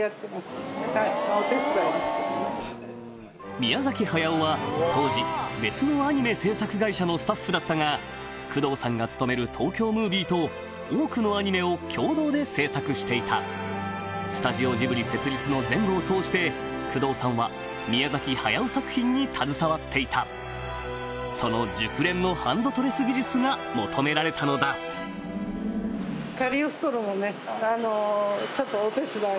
宮駿は当時別のアニメ制作会社のスタッフだったが工藤さんが勤める東京ムービーと多くのアニメを共同で制作していたスタジオジブリ設立の前後を通して工藤さんは宮駿作品に携わっていたその熟練のハンドトレス技術が求められたのだいや！